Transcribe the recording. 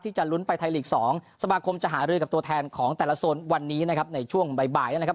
จะลุ้นไปไทยลีก๒สมาคมจะหารือกับตัวแทนของแต่ละโซนวันนี้นะครับในช่วงบ่ายนะครับ